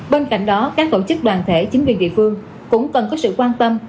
bên cạnh đó các tổ chức đoàn thể chính quyền địa phương cũng cần có sự quan tâm